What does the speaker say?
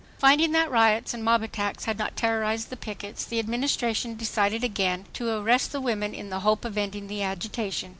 Finding that riots and mob attacks had not terrorized the pickets, the Administration decided again to arrest the women in the hope of ending the agitation.